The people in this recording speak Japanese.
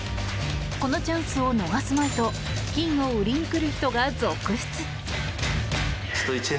このチャンスを逃すまいと金を売りに来る人が続出。